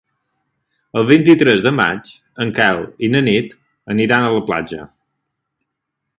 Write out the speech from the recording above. El vint-i-tres de maig en Quel i na Nit aniran a la platja.